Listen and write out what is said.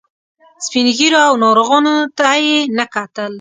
سپین ږیرو او ناروغانو ته یې نه کتل.